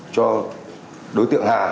cho đối tượng hà